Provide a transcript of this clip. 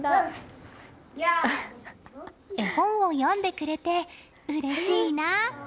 絵本を読んでくれてうれしいな。